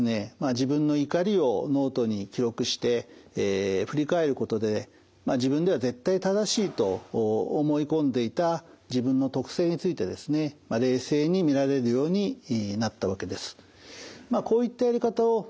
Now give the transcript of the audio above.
自分の怒りをノートに記録して振り返ることで自分では絶対正しいと思い込んでいた自分の特性について冷静に見られるようになったわけです。